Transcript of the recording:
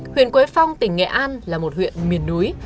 huyện quế phong tỉnh nghệ an là một huyện miền núi